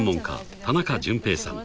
田中純平さん］